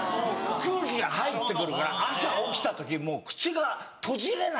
空気が入ってくるから朝起きた時もう口が閉じれない。